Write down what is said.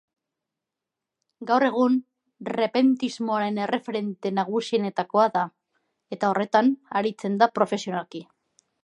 Gaur egun repentismoaren erreferente nagusienetakoa da, eta horretan aritzen da profesionalki.